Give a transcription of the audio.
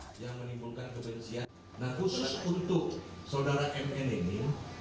nah khusus untuk sodara mn ini